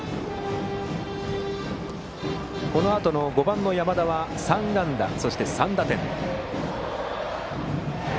このあとの５番の山田は３安打３打点。